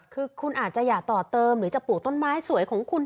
คือคุณอาจจะอย่าต่อเติมหรือจะปลูกต้นไม้สวยของคุณ